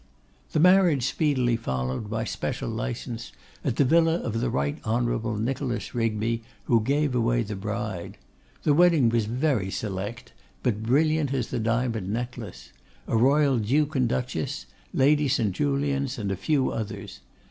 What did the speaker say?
The marriage speedily followed, by special license, at the villa of the Right Hon. Nicholas Rigby, who gave away the bride. The wedding was very select, but brilliant as the diamond necklace: a royal Duke and Duchess, Lady St. Julians, and a few others.